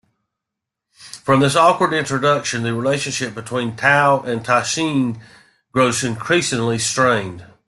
From this awkward introduction, the relationship between Tao and Taisheng grows increasingly strained.